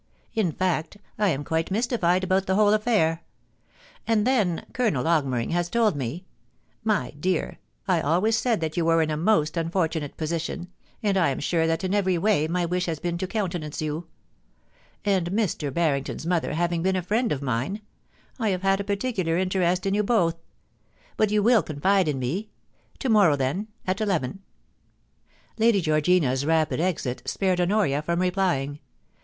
In fact, I am quite mystified about the whole affair. ... And then Colonel Augmering has told me— My dear, I always said that you were in a most unfortunate position, and 1 am sure that in every way my wish has been to countenance yoa And Mr. Barring ton's mother having been a friend of mine — I have had a l>articular interest in you both. But you will confide in me. To morrow, then, at eleven.' Lady Georgina's rapid exit spared Honoria from replying.